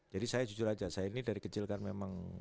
jadi saya jujur aja saya ini dari kecil kan memang